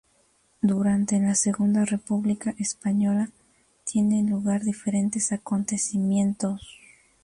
Durante la Segunda República Española tienen lugar diferentes acontecimientos.